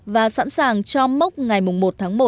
và sẵn sàng cho mốc ngày một tháng một